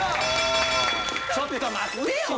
ちょっと待ってよ